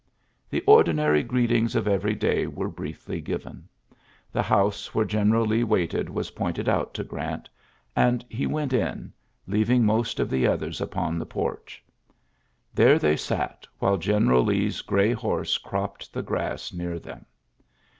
The ordinary greetings of every day were briefly given. The house where General Lee waited was pointed out to Grant ; and he went in, leaving most of the others upon the porch. There they sat, while General Lee's grey horse cropped the grass near them.